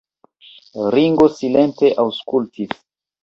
Ringo silente aŭskultis.